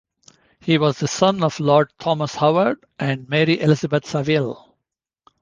He was the son of Lord Thomas Howard and Mary Elizabeth Savile.